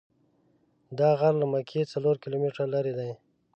دا غر له مکې څلور کیلومتره لرې دی.